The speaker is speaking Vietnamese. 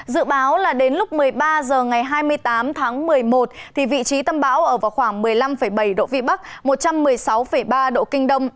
dự báo là đến lúc một mươi ba h ngày hai mươi tám tháng một mươi một vị trí tâm bão ở vào khoảng một mươi năm bảy độ vĩ bắc một trăm một mươi sáu ba độ kinh đông